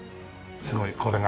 すごいこれが。